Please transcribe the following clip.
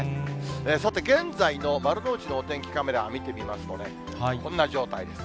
さて、現在の丸の内のお天気カメラ見てみますとね、こんな状態です。